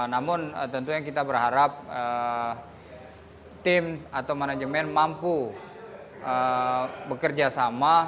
namun tentunya kita berharap tim atau manajemen mampu bekerja sama